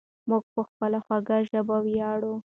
موږ په خپله خوږه ژبه ویاړو.